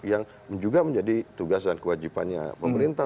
yang juga menjadi tugas dan kewajibannya pemerintah